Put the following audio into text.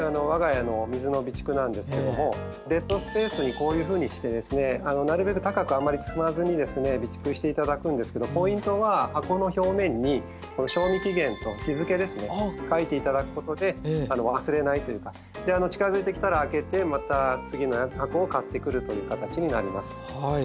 我が家の水の備蓄なんですけどもデッドスペースにこういうふうにしてですねなるべく高くあんまり積まずに備蓄して頂くんですけどポイントは箱の表面に賞味期限と日付ですね書いて頂くことで忘れないというかであの近づいてきたら開けてまた次の箱を買ってくるという形になります。